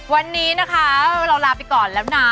วันนี้นะคะเราลาไปก่อนแล้วนะ